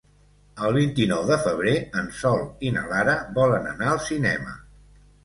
El vint-i-nou de febrer en Sol i na Lara volen anar al cinema.